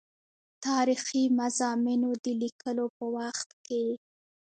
تاریخي مضامینو د لیکلو په وخت کې.